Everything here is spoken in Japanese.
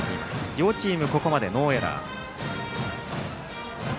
両チーム、ここまでノーエラー。